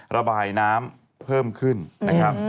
ระบายน้ำเพิ่มขึ้นนะครับ